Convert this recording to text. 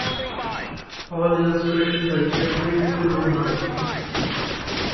All illustration by Jeffrey Fulvimari.